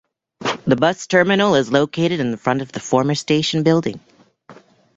The bus terminal is located in front of the former station building.